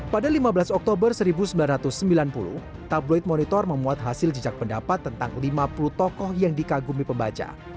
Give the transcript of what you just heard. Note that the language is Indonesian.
pada lima belas oktober seribu sembilan ratus sembilan puluh tabloid monitor memuat hasil jejak pendapat tentang lima puluh tokoh yang dikagumi pembaca